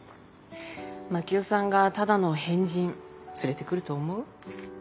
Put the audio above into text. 真樹夫さんがただの変人連れてくると思う？